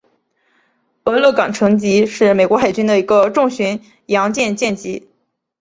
俄勒冈城级是美国海军的一个重巡洋舰舰级。